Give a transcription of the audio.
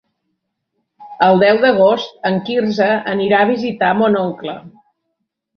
El deu d'agost en Quirze anirà a visitar mon oncle.